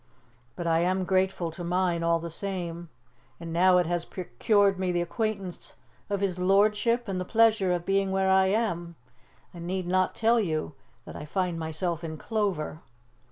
But I am grateful to mine, all the same, and now it has procured me the acquaintance of his lordship and the pleasure of being where I am. I need not tell you that I find myself in clover."